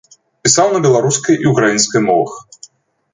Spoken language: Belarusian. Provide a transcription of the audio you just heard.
Пісаў на беларускай і ўкраінскай мовах.